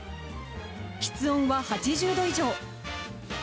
室温は８０度以上。